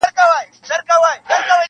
ګونګ یې کی زما تقدیر تقدیر خبري نه کوي,